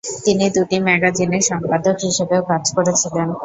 তিনি দুটি ম্যাগাজিনের সম্পাদক হিসাবেও কাজ করেছিলেন।